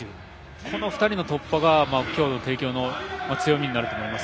この２人の突破が今日の帝京の強みになると思います。